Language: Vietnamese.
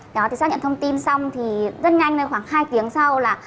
đó thì xác nhận thông tin xong thì rất nhanh khoảng hai tiếng sau là